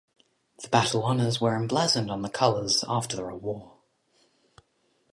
The Battle Honours were emblazoned on the colours after the war.